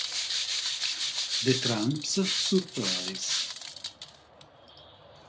The Tramp's Surprise